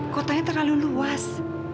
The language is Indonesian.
kotanya terlalu luas